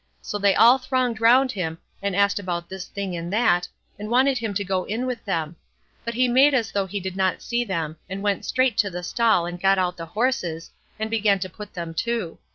So they all thronged round him, and asked about this thing and that, and wanted him to go in with them; but he made as though he did not see them, and went straight to the stall and got out the horses, and began to put them to.